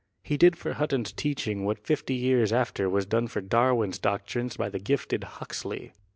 He did for Hutton's teaching what fifty years after was done for Darwin's doctrines by the gifted Huxley.